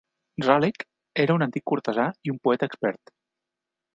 Raleigh era un antic cortesà i un poeta expert.